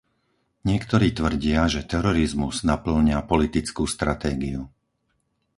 Niektorí tvrdia, že terorizmus napĺňa politickú stratégiu.